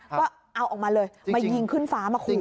ก็เอาออกมาเลยมายิงขึ้นฟ้ามาขู่